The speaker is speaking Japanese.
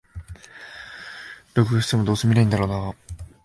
録画しても、どうせ観ないんだろうなあ